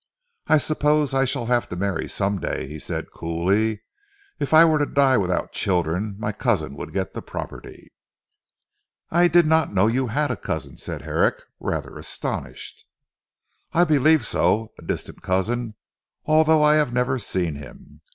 "I suppose I shall have to marry some day," he said coolly. "If I were to die without children my cousin would get the property." "I did not know you had a cousin?" said Herrick, rather astonished. "I believe so. A distant cousin, although I have never seen him.